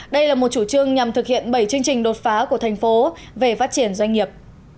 đây là một chủ trương nhằm thực hiện bảy chương trình đột phá của thành phố về phát triển doanh nghiệp